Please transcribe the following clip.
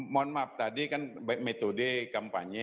mohon maaf tadi kan metode kampanye